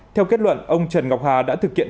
theo kết luận ông trần ngọc hà đã thực hiện